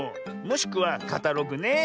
もしくは「カタログ」ね。